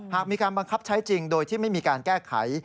หากมีการบังคับใช้จริงโดยที่ไม่มีการแก้ไข